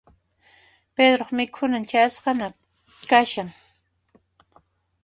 Pedroq mikhunan chayasqaña kashan.